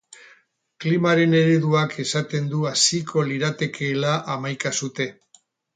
Klimaren ereduak esaten du haziko liratekeela hamaika sute.